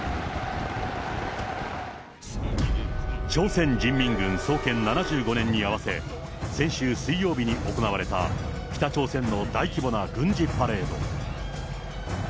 朝鮮人民軍創建７５年に合わせ、先週水曜日に行われた北朝鮮の大規模な軍事パレード。